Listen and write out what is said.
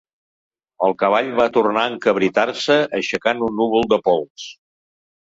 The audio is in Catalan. El cavall va tornar a encabritar-se, aixecant un núvol de pols.